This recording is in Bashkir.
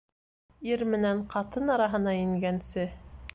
Ир менән ҡатын араһына ингәнсе